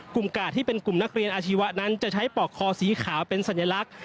กาดที่เป็นกลุ่มนักเรียนอาชีวะนั้นจะใช้ปอกคอสีขาวเป็นสัญลักษณ์